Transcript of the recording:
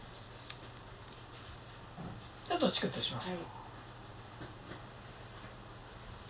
ちょっとチクッとします。